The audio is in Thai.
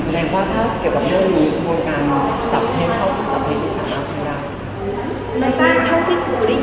แล้วก็ว่าเกี่ยวกับซ่อนการเกี่ยวกับชื่อครับ